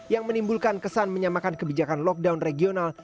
yang menimbulkan kesan menyamakan kebijakan lockdown regional